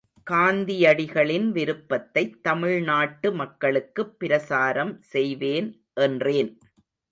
காந்தியடிகளின் விருப்பத்தைத் தமிழ்நாட்டு மக்களுக்குப் பிரசாரம் செய்வேன் என்றேன்.